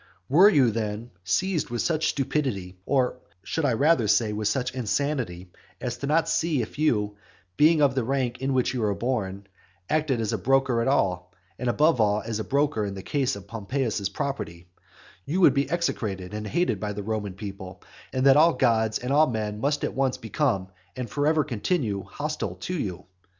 Were you, then, seized with such stupidity, or, I should rather say, with such insanity, as not to see that if you, being of the rank in which you were born, acted as a broker at all, and above all as a broker in the case of Pompeius's property, you would be execrated and hated by the Roman people, and that all gods and all men must at once become and for ever continue hostile to you?